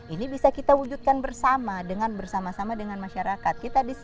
ini bisa kita wujudkan bersama dengan bersama sama dengan masyarakat